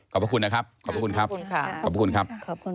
ขอบพระคุณนะครับขอบพระคุณครับ